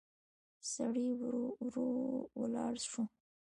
سړی ورو ولاړ شو.